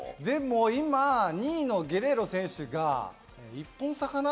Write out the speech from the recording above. でも今２位のゲレーロ選手が１本差かな？